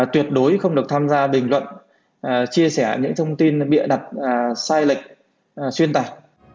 tuyệt đối không được tham gia bình luận chia sẻ những thông tin bịa đặt sai lệch xuyên tạc